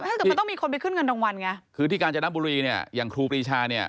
ถ้าเกิดมันต้องมีคนไปขึ้นเงินรางวัลไงคือที่กาญจนบุรีเนี่ยอย่างครูปรีชาเนี่ย